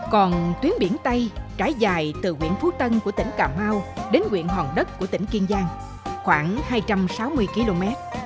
còn tuyến biển tây trải dài từ nguyễn phú tân của tỉnh cà mau đến quyện hòn đất của tỉnh kiên giang khoảng hai trăm sáu mươi km